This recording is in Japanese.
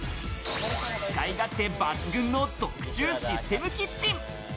使い勝手抜群の特注システムキッチン。